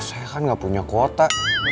saya kan gak punya kuota